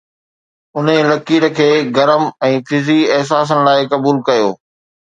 انهي لڪير کي گرم ۽ فزي احساسن لاءِ قبول ڪيو